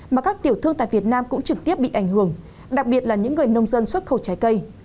mà các tiểu thương tại việt nam cũng trực tiếp bị ảnh hưởng đặc biệt là những người nông dân xuất khẩu trái cây